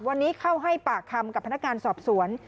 วันนี้เข้าให้ปากคำกับพนักงานสอบสวน